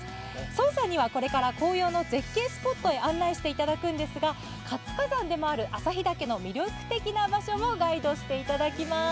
ソンさんにはこれから紅葉の絶景スポットをご案内していただきますが旭岳の魅力的な場所もガイドしていただきます。